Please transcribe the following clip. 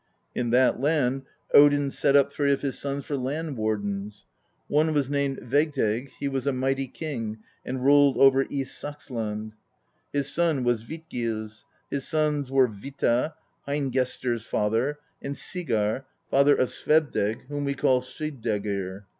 In that land Odin set up three of his sons for land wardens. One was named Vegdeg: he was a mighty king and ruled over East Saxland; his son was Vitgils; his sons were Vitta, Heingistr's father, and Sigarr, father of Sveb deg, whom we call Svipdagr.